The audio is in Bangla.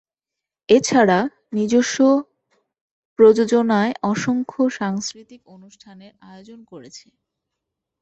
এছাড়া নিজস্ব প্রযোজনায় অসংখ্য সাংস্কৃতিক অনুষ্ঠানের আয়োজন করেছে।